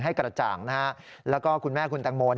ให้กระจ่างแล้วก็คุณแม่คุณแตงโม